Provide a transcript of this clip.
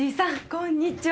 こんにちは。